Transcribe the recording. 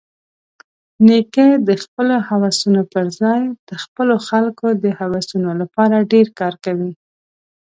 نیکه د خپلو هوسونو پرځای د خپلو خلکو د هوسونو لپاره ډېر کار کوي.